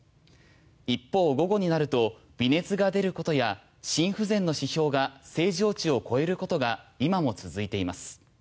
一方、午後になると微熱が出ることや心不全の指標が正常値を超えることが今も続いています。